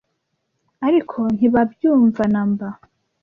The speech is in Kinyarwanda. ariko ntibabyumva namba